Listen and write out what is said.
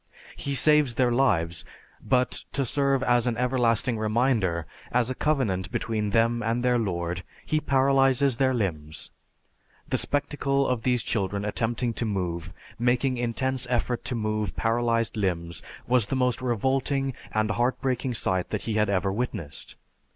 He saves their lives, but to serve as an everlasting reminder, as a covenant between them and their Lord, He paralyzes their limbs. The spectacle of these children attempting to move, making intense effort to move paralyzed limbs, was the most revolting and heart breaking sight that he had ever witnessed.